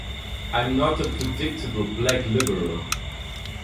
I'm not a predictable black liberal.